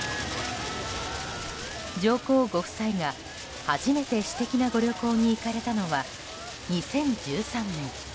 上皇ご夫妻が初めて私的なご旅行に行かれたのは２０１３年。